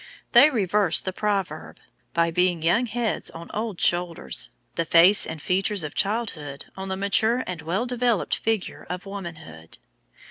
They reverse the proverb, by being young heads on old shoulders, the face and features of childhood on the mature and well developed figure of womanhood.